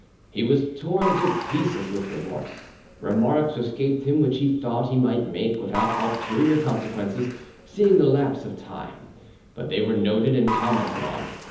He was torn to pieces with remorse. Remarks escaped him which he thought he might make without ulterior consequences; seeing the lapse of time, but they were noted and commented on.